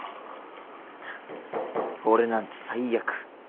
ハッ俺なんて最悪